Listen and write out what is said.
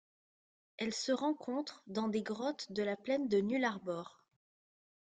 Elle se rencontre dans des grottes de la plaine de Nullarbor.